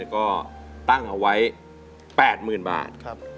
ก็ตั้งเอาไว้๘๐๐๐บาท